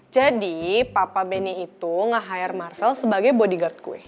jadi papa benny itu ngehire marvell sebagai bodyguard gue